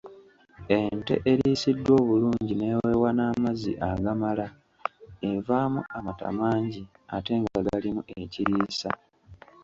Ente eriisiddwa obulungi n’eweebwa n’amazzi agamala evaamu amata mangi ate nga galimu ekiriisa.